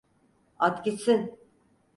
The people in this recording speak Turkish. At gitsin.